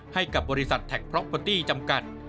ให้กับบริษัทแท็กพร็อกเบอร์ตี้จำกัด